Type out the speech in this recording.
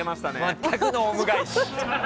全くのオウム返し！